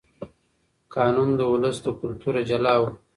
قانون د ولس له کلتوره جلا و.